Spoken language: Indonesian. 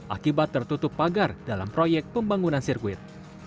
akibat tertutup pagar dalam proyek pembangunan sirkuit